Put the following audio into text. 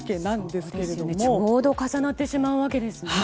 ちょうど重なってしまうわけなんですね。